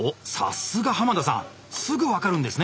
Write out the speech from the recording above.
すぐ分かるんですね！